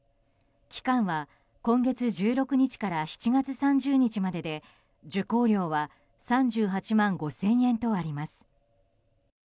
期間は今月１６日から７月３０日までで受講料は３８万５０００円とあります。